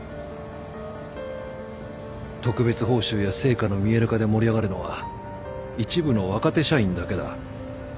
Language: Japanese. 特別報酬や成果の見える化で盛り上がるのは一部の若手社員だけだ。